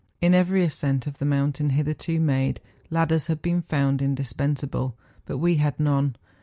In every ascent of the mountain hitherto made, ladders had been found indispensable; but we had none.